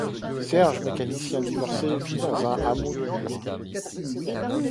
Serge, mécanicien divorcé, vit dans un hameau du Jura.